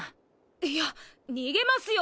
いや逃げますよ。